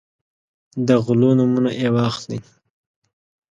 د غلو نومونه یې واخلئ.